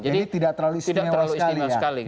jadi tidak terlalu istimewa sekali ya